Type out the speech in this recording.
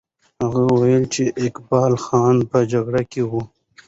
هغه وویل چې اقبال خان په جګړه کې وو.